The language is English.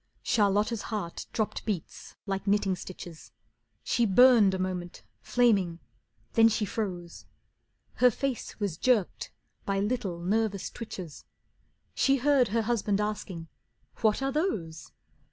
Charlotta's heart dropped beats like knitting stitches. She burned a moment, flaming; then she froze. Her face was jerked by little, nervous twitches, She heard her husband asking: "What are those?"